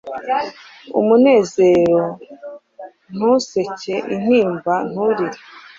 umunezero ntuseke; intimba nturirire.